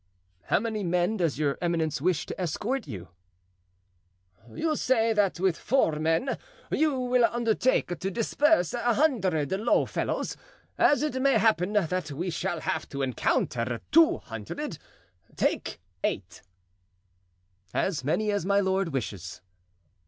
"How many men does your eminence wish to escort you?" "You say that with four men you will undertake to disperse a hundred low fellows; as it may happen that we shall have to encounter two hundred, take eight——" "As many as my lord wishes."